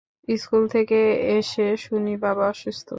School থেকে এসে শুনি বাবা অসুস্থ!